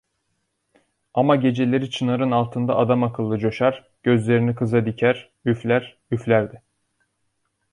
Ama geceleri çınarın altında adamakıllı coşar, gözlerini kıza diker, üfler, üflerdi…